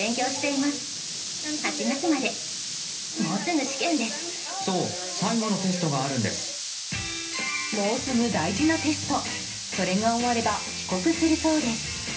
もうすぐ大事なテストそれが終われば帰国するそうです。